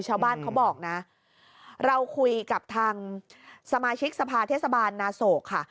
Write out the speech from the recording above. ชาวบ้านเขาบอกนะเราคุยกับทางสมาชิกสภาเทศบาลนาโศกค่ะ